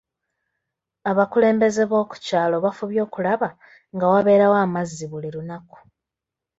Abakulembeze b'oku kyalo bafubye okulaba nga wabeerawo amazzi buli lunaku.